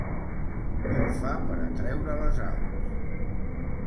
Com fa per atreure les aus?